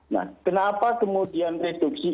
nah kenapa kemudian reduksi